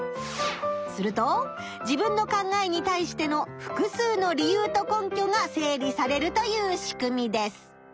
すると自分の考えに対しての複数の理由と根拠が整理されるという仕組みです。